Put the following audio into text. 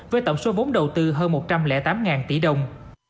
với tổng số vốn đầu tư hơn một trăm linh tám tỷ đồng